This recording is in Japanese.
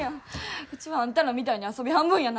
ウチはあんたらみたいに遊び半分やないんや！